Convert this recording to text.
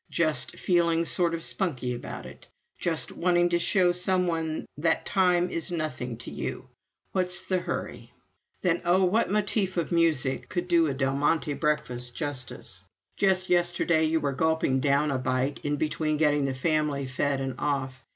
Just feeling sort of spunky about it just wanting to show some one that time is nothing to you what's the hurry? Then oh, what motif in music could do a Del Monte breakfast justice? Just yesterday you were gulping down a bite, in between getting the family fed and off.